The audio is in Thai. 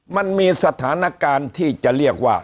มันมีสถานการณ์ที่จะเรียกว่า